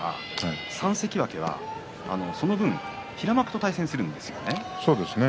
３関脇はその分平幕と対戦するんですよね。